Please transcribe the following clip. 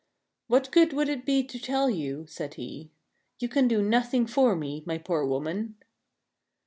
"What good would it be to tell you?" said he. "You can do nothing for me, my poor woman."